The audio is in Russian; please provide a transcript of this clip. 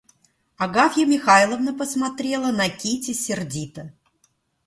Агафья Михайловна посмотрела на Кити сердито.